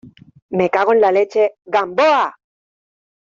me cago en la leche... ¡ Gamboa!